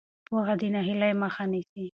پوهه د ناهیلۍ مخه نیسي.